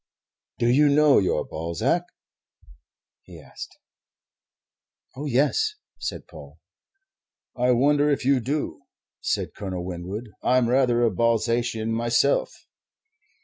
"Do you know your Balzac?" he asked. "Oh, yes," said Paul. "I wonder if you do," said Colonel Winwood. "I'm rather a Balzacian myself."